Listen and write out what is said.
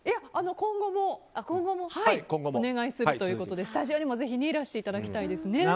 今後もお願いするということでスタジオにもぜひいらしていただきたいですね。